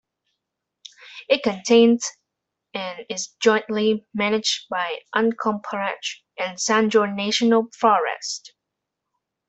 It contains and is jointly managed by the Uncompahgre and San Juan National Forests.